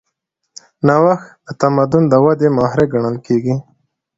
نوښت د تمدن د ودې محرک ګڼل کېږي.